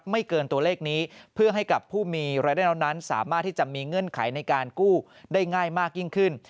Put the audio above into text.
ไม่เกินตัวเลขนี้เพื่อให้กับผู้มีรายได้เหล่านั้นสามารถที่จะมีเงื่อนไขในการกู้ได้ง่ายมากยิ่งขึ้น